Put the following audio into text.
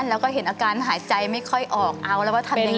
แล้วก็เห็นอาการหายใจไม่ค่อยออกเอาแล้วว่าทำยังไง